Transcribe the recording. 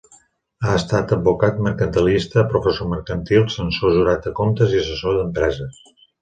Ha estat advocat mercantilista, professor mercantil, censor jurat de comptes i assessor d'empreses.